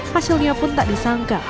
hasilnya pun tak disangka